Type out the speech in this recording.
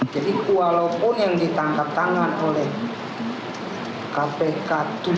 jadi walaupun yang ditangkap tangan oleh kpk tujuh puluh